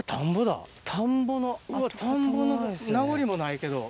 うわ田んぼの名残もないけど。